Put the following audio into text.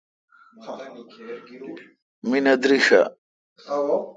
می نہ درݭ اؘ۔